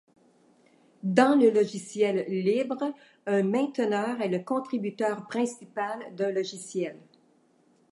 Dans le logiciel libre, un mainteneur est le contributeur principal d'un logiciel.